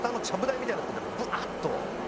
みたいなとこでぶわっと。